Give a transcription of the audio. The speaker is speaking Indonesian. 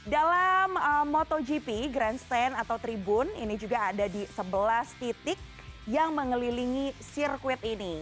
dalam motogp grandstand atau tribun ini juga ada di sebelas titik yang mengelilingi sirkuit ini